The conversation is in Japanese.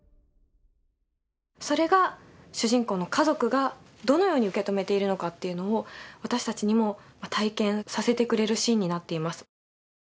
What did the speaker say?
それが主人公の家族がどのように受け止めているのかっていうのを私たちにも体験させてくれるシーンになっています。